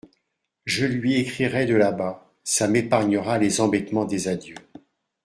Je lui écrirai de là-bas… ça m’épargnera les embêtements des adieux !…